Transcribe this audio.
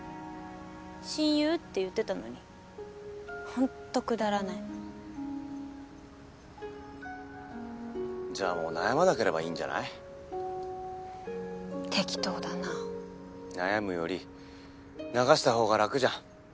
親友って言ってたのにほんとくだらないじゃもう悩まなければいいんじゃないテキトーだなぁ悩むより流した方が楽じゃん？